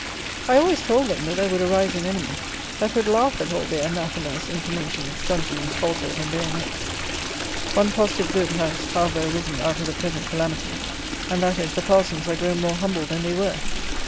I always told them, that there would arise an enemy, that would laugh at all their anathemas, informations, dungeons, halters and bayonets. One positive good has, however, arisen out of the present calamities, and that is, the parsons are grown more humble than they were.